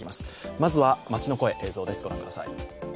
まずは街の声、映像です。